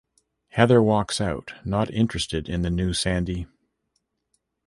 Heather walks out, not interested in the new Sandy.